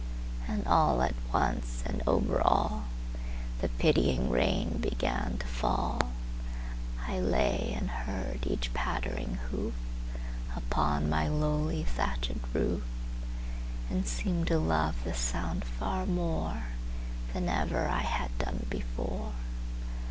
And all at once, and over allThe pitying rain began to fall;I lay and heard each pattering hoofUpon my lowly, thatchèd roof, And seemed to love the sound far moreThan ever I had done before.